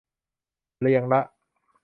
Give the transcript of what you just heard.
เรียงละ